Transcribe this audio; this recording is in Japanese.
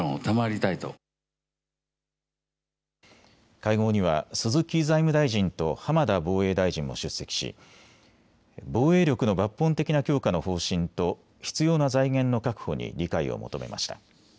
会合には鈴木財務大臣と浜田防衛大臣も出席し、防衛力の抜本的な強化の方針と必要な財源の確保に理解を求めました。